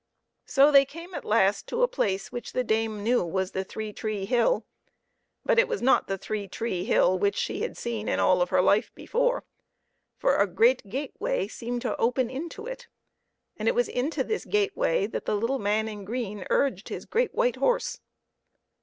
So they came at last to a place which the dame knew was the three tree hill ; but it was not the three tree hill which she had seen in all of her life before, for a great gateway seemed to open into it and it was into this gateway that the little man in green urged the great white horse.